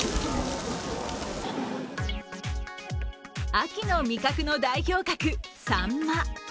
秋の味覚の代表格・さんま。